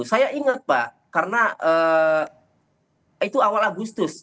saya ingat pak karena itu awal agustus